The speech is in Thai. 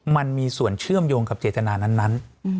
มันมีส่วนเชื่อมโยงกับเจตนานั้น